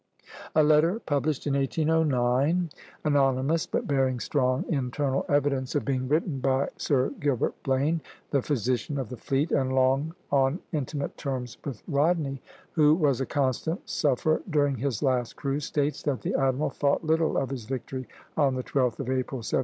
A letter published in 1809, anonymous, but bearing strong internal evidence of being written by Sir Gilbert Blane, the physician of the fleet and long on intimate terms with Rodney, who was a constant sufferer during his last cruise, states that the admiral "thought little of his victory on the 12th of April, 1782."